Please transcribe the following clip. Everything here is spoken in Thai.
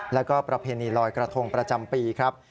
แล้วก็ประเพณีลอยกระทงประจำปีครับ